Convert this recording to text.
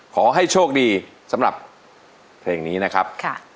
ขอให้โชคดีสำหรับเพลงนี้นะครับ